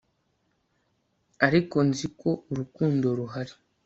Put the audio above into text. ariko nzi ko urukundo ruhari